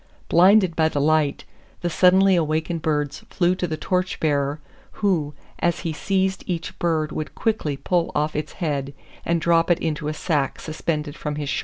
Blinded by the light, the suddenly awakened birds flew to the torch bearer; who, as he seized each bird would quickly pull off its head, and drop it into a sack suspended from his shoulders.